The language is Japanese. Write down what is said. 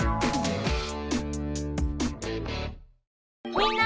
みんな！